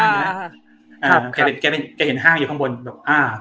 อ่าแกเป็นแกเป็นแกเห็นห้างอยู่ข้างบนแบบอ่า